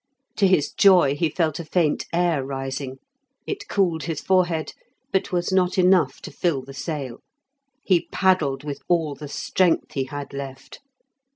To his joy he felt a faint air rising; it cooled his forehead, but was not enough to fill the sail. He paddled with all the strength he had left.